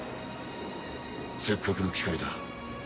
せっかくの機会だ。